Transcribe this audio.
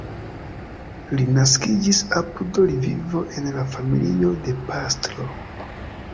Li naskiĝis apud Lvivo en la familio de pastro.